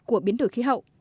của biến đổi khí hậu